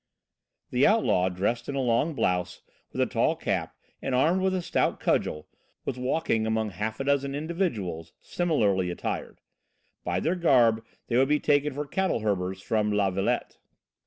The outlaw, dressed in a long blouse, with a tall cap, and armed with a stout cudgel, was walking among half a dozen individuals similarly attired. By their garb they would be taken for cattle herders from La Villette.